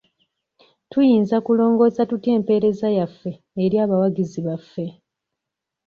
Tuyinza kulongoosa tutya empeereza yaffe eri abawagizi baffe?